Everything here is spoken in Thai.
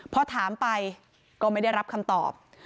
พอถามไปก็ไม่ได้รับคำตอบ